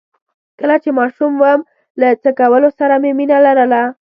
کله چې ماشوم وم له څه کولو سره مې مينه لرله؟